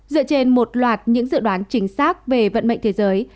dựa trên một loạt những dự đoán chính xác về vận mệnh thế giới